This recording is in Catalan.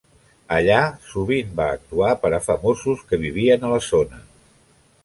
Allà, sovint va actuar per a famosos que vivien a la zona.